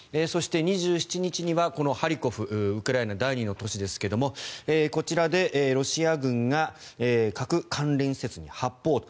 そして、２７日にはハリコフウクライナ第２の都市ですがこちらでロシア軍が核関連施設に発砲。